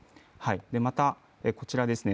また、こちらですね